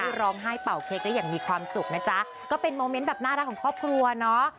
ที่ร้องไห้เป่าเค้กมันมีความสุขนะเป็นโมเมนต์แบบน่ารักของคอปรัวเนาะ